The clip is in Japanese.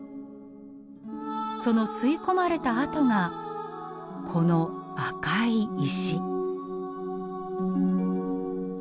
その吸い込まれた跡がこの赤い石。